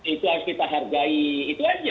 itu harus kita hargai itu aja